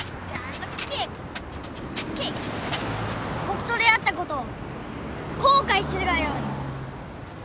僕と出会ったことを後悔するがよい！